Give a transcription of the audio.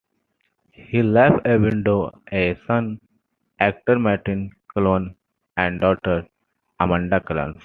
He left a widow, a son, actor Martin Clunes, and a daughter, Amanda Clunes.